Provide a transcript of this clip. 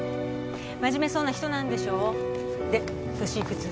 真面目そうな人なんでしょ？で年幾つ？